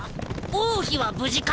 「王妃は無事か」